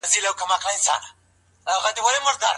دغه زړه تابلو په مخامخ دیوال نښتې